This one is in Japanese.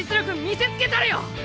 見せつけたれよ。